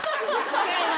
違います